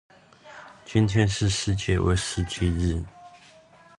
今天是世界威士忌日